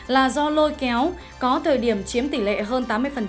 là do lôi kéo có thời điểm chiếm tỷ lệ hơn tám mươi